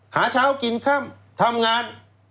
หาเช้ากินค่ำทำงาน